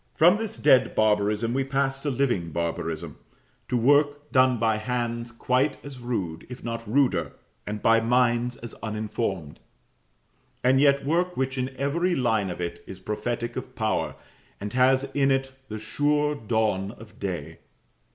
From this dead barbarism we pass to living barbarism to work done by hands quite as rude, if not ruder, and by minds as uninformed; and yet work which in every line of it is prophetic of power, and has in it the sure dawn of day.